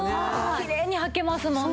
きれいにはけますもんね。